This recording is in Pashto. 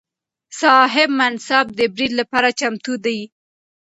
صاحب منصبان د برید لپاره چمتو دي.